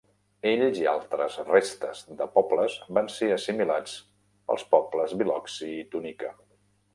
Ells i altres restes de pobles van ser assimilats pels pobles Biloxi i Tunica.